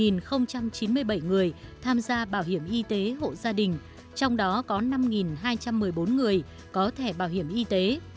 một chín mươi bảy người tham gia bảo hiểm y tế hộ gia đình trong đó có năm hai trăm một mươi bốn người có thẻ bảo hiểm y tế